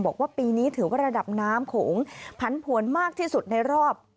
บอกว่าปีนี้ถือว่าระดับน้ำโขงผันผวนมากที่สุดในรอบ